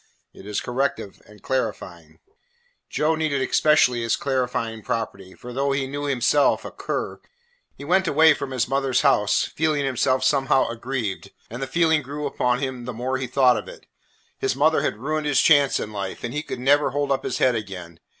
It is corrective and clarifying. Joe needed especially its clarifying property, for though he knew himself a cur, he went away from his mother's house feeling himself somehow aggrieved, and the feeling grew upon him the more he thought of it. His mother had ruined his chance in life, and he could never hold up his head again.